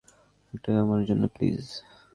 একটা আমার জন্য, প্লিজ।